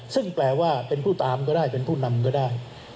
ซึ่งแปลว่าเป็นผู้ตามก็ได้เป็นผู้นำก็ได้